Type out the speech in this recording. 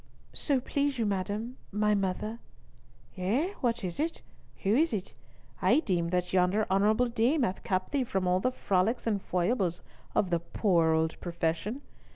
"So please you, madam, my mother—" "Eh? What is it? Who is it? I deemed that yonder honourable dame had kept thee from all the frolics and foibles of the poor old profession.